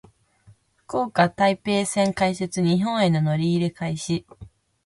福岡・台北線開設。日本への乗り入れ開始。